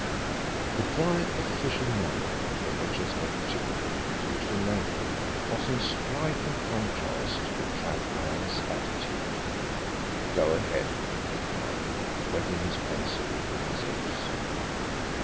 The dry official manner in which Inspector Chippenfield produced a note book was in striking contrast to the trapped man's attitude. "Go ahead," he commanded, wetting his pencil between his lips.